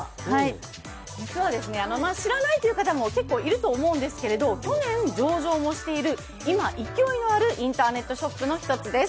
実は知らないという方も結構いると思うんですけど、去年上場している今、勢いのあるインターネットショップの１つです。